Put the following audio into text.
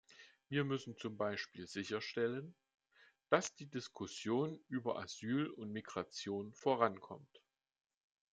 Wir müssen zum Beispiel sicherstellen, dass die Diskussion über Asyl und Migration vorankommt.